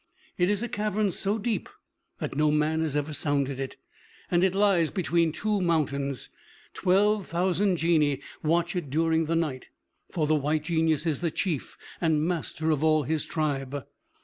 It is a cavern so deep that no man has ever sounded it, and it lies between two mountains. Twelve thousand Genii watch it during the night, for the White Genius is the chief and master of all his tribe.